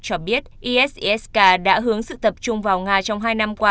cho biết isis k đã hướng sự tập trung vào nga trong hai năm qua